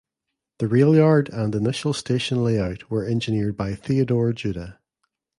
The rail yard and initial station layout were engineered by Theodore Judah.